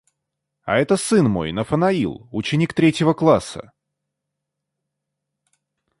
А это сын мой, Нафанаил, ученик третьего класса.